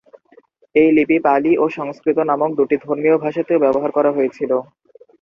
এই লিপি পালি ও সংস্কৃত নামক দুটি ধর্মীয় ভাষাতেও ব্যবহার করা হয়েছিলো।